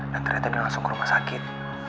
dan ternyata dia langsung ke rumah sakit